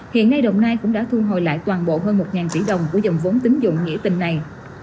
hiện nay đồng nai cũng đã thu hồi lại toàn bộ hơn một tỷ đồng của dòng vốn tín dụng nghĩa tình này